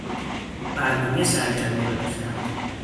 برنامهی سرگرمی را ریختن